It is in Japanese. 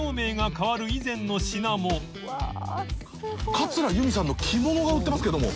桂由美さんの「きもの」が売ってますけども。